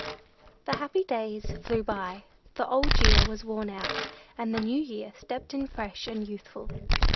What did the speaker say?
The happy days flew by. The Old Year was worn out, and the New Year stepped in fresh and youthful.